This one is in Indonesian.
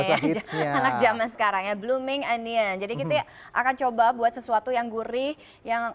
ya anak zaman sekarang ya blooming anion jadi kita akan coba buat sesuatu yang gurih yang